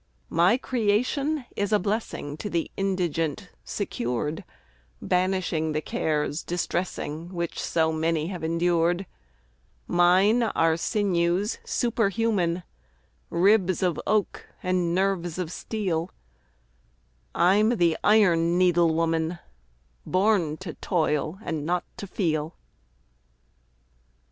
My creation is a blessing To the indigent secured, Banishing the cares distressing Which so many have endured: Mine are sinews superhuman, Ribs of oak and nerves of steel I'm the Iron Needle Woman Born to toil and not to feel.